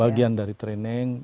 bagian dari training